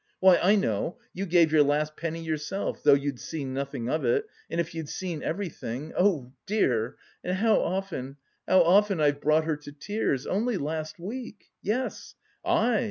"Why, I know, you gave your last penny yourself, though you'd seen nothing of it, and if you'd seen everything, oh dear! And how often, how often I've brought her to tears! Only last week! Yes, I!